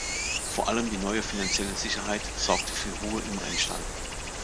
Vor allem die neue finanzielle Sicherheit sorgte für Ruhe im Rennstall.